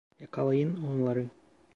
Yakalayın onları!